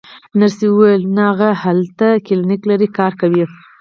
نرسې وویل: نه، هغه هلته کلینیک لري، کار کوي.